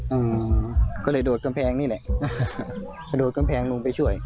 อืมก็เลยโดดกำแพงนี่แหละกระโดดกำแพงลงไปช่วย